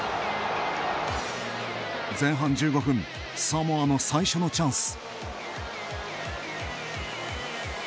前半１５分サモアの最初のチャンス。